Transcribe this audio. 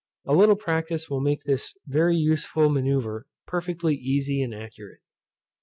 A little practice will make this very useful manoeuvre perfectly easy and accurate.